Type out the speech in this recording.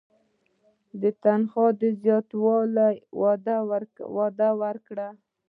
تنخوا د زیاتولو وعده ورکړه.